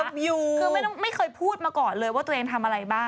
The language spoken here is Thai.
คือไม่เคยพูดมาก่อนเลยว่าตัวเองทำอะไรบ้าง